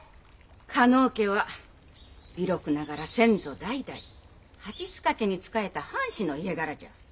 加納家は微禄ながら先祖代々蜂須賀家に仕えた藩士の家柄じゃ。